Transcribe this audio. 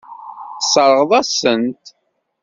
Tesseṛɣeḍ-asen-t.